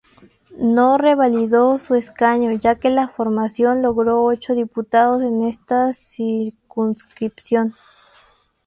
No revalidó su escaño ya que la formación logró ocho diputados en esta circunscripción.